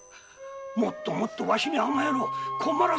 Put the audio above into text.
もっともっとわしに甘えろ困らせろ。